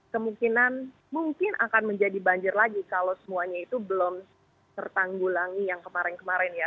kemungkinan mungkin akan menjadi banjir lagi kalau semuanya itu belum tertanggulangi yang kemarin kemarin ya